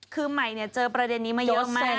คือใหม่เจอประเด็นนี้มาเยอะมาก